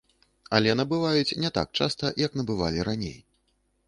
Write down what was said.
Але набываюць не так часта, як набывалі раней.